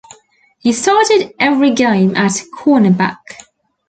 He started every game at cornerback.